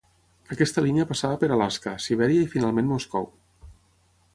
Aquesta línia passava per Alaska, Sibèria i finalment Moscou.